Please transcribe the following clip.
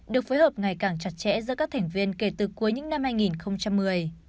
được phối hợp ngày càng chặt chẽ giữa các thành viên kể từ cuối những năm hai nghìn một mươi